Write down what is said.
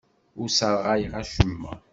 Ur sserɣayeɣ acemma.